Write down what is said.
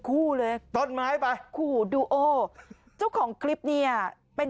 คู่เลยต้นไม้ไปขู่ดูโอเจ้าของคลิปเนี่ยเป็น